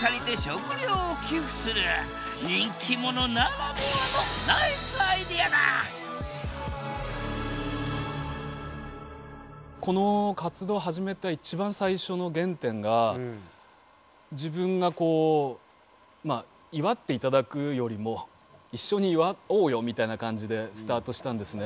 人気者ならではのこの活動を始めた一番最初の原点が自分がこう祝っていただくよりも一緒に祝おうよみたいな感じでスタートしたんですね。